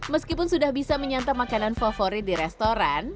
meskipun sudah bisa menyantap makanan favorit di restoran